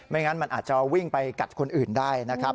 งั้นมันอาจจะวิ่งไปกัดคนอื่นได้นะครับ